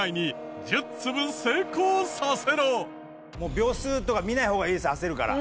秒数とか見ない方がいいです焦るから。